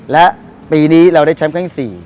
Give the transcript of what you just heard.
และปีนี้เราได้แชมป์ครั้ง๔